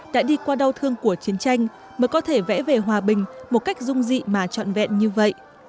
đã đi qua đau thương của chiến tranh mới có thể vẽ về hòa bình một cách dung dị mà trọn vẹn như vậy